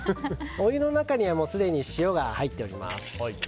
お湯の中にはすでに塩が入っております。